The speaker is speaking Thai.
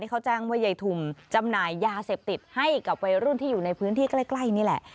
เขาแจ้งว่ายายทุมจำหน่ายยาเสพติดให้กับวัยรุ่นที่อยู่ในพื้นที่ใกล้นี่แหละ